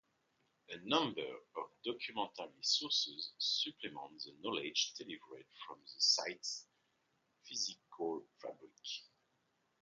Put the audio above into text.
A number of documentary sources supplement the knowledge derived from the site's physical fabric.